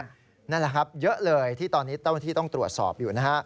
นั่นแหละครับเยอะเลยที่ตอนนี้ต้องตรวจสอบอยู่นะฮะ